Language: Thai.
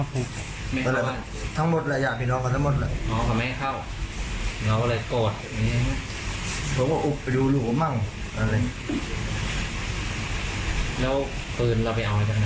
ผมซื้อเพื่อนมาครับ